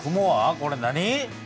これ何？